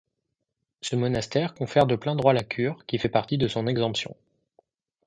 Ce monastère confère de plein droit la cure, qui fait partie de son exemption.